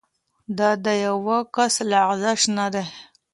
دا د یوه کس لغزش نه دی.